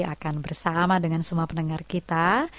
akan bersama dengan semua pendengar kita